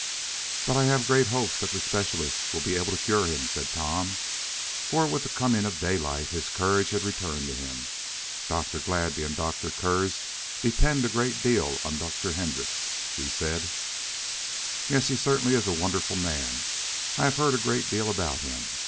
"But I have great hopes that the specialist will be able to cure him," said Tom, for, with the coming of daylight, his courage had returned to him. "Dr. Gladby and Dr. Kurtz depend a great deal on Dr. Hendrix," he said. "Yes, he certainly is a wonderful man. I have heard a great deal about him.